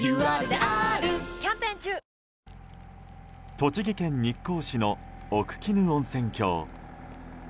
栃木県日光市の奥鬼怒温泉郷。